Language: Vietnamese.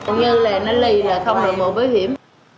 nhưng là nó lì là không đổi bú bảo hiểm